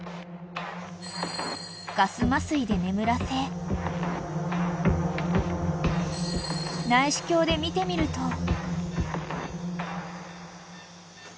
［ガス麻酔で眠らせ内視鏡で見てみると］